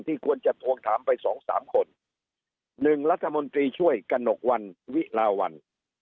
ควรจะทวงถามไปสองสามคนหนึ่งรัฐมนตรีช่วยกระหนกวันวิลาวัน